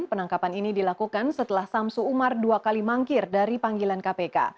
penangkapan ini dilakukan setelah samsu umar dua kali mangkir dari panggilan kpk